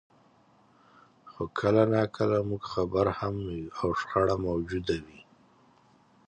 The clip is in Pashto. خو کله ناکله موږ خبر هم نه یو او شخړه موجوده وي.